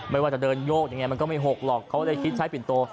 ไม่ว่าจะเดินโยกยังไงมันก็ไม่หกหรอกเขาได้คิดใช้ปิ่นโต